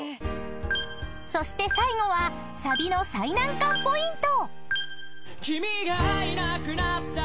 ［そして最後はサビの最難関ポイント］